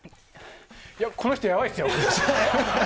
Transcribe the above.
この人、やばいですよ。